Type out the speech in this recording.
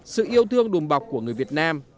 sự yêu thương đùm bọc của người việt nam